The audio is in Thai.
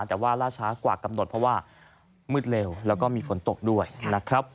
แต่ว่าล่าช้ากว่ากำหนดเพราะว่ามืดเร็วแล้วก็มีฝนตกด้วยนะครับ